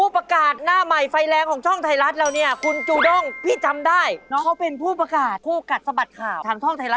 ผัวเป็นนักร้องเมียเป็นหังเครื่อง